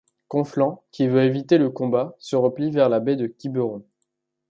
Conflans, qui veut éviter le combat se replie vers la baie de Quiberon.